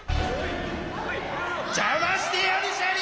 じゃましてやるシャリ！